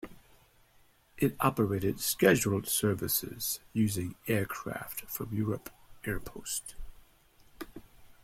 It operated scheduled services using aircraft from Europe Airpost.